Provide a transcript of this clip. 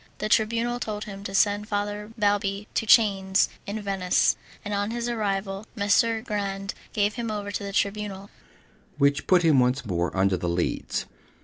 The Tribunal told him to send Father Balbi in chains to Venice, and on his arrival Messer Grande gave him over to the Tribunal, which put him once more under the Leads.